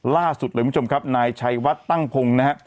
ล่าสุดหน่อยคุณผู้ชมครับนายชัยวัดตั้งพุง